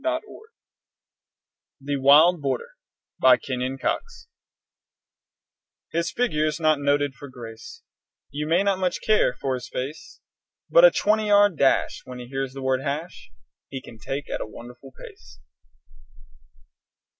] THE WILD BOARDER BY KENYON COX His figure's not noted for grace; You may not much care for his face; But a twenty yard dash, When he hears the word "hash," He can take at a wonderful pace.